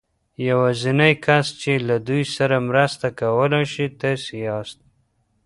يوازېنی کس چې له دوی سره مرسته کولای شي تاسې ياست.